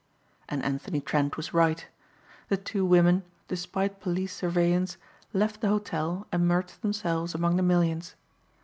And Anthony Trent was right. The two women, despite police surveillance, left the hotel and merged themselves among the millions.